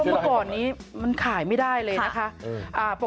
เมื่อก่อนนี้มันขายไม่ได้เลยนะคะ